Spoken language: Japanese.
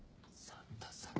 サンタさん。